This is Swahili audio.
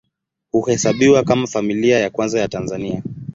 Huhesabiwa kama Familia ya Kwanza ya Tanzania.